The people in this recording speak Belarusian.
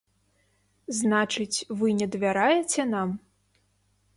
Значыць, вы не давяраеце нам?